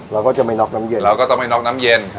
เราก็จะไม่น็อกน้ำเย็นเราก็ต้องไม่น็อกน้ำเย็น